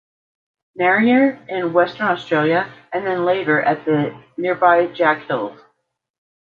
Narryer in Western Australia and then later at the nearby Jack Hills.